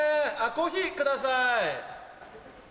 コーヒー下さい。